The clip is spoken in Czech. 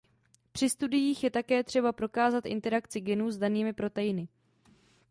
Při studiích je také třeba prokázat interakci genů s danými proteiny.